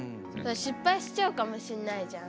失敗しちゃうかもしんないじゃん。